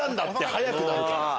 速くなるから。